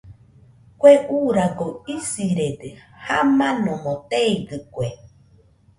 Kue uuragoɨ isirede, jamanomo teidɨkue.